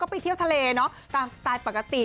ไปเที่ยวทะเลเนอะตามสไตล์ปกติ